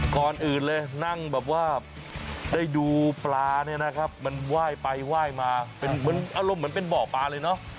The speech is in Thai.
ก่อนอื่นเลยนั่งแบบว่าได้ดูปลาเนี่ยนะครับมันไหว้ไปไหว้มาเป็นเหมือนอารมณ์เหมือนเป็นบ่อปลาเลยเนอะ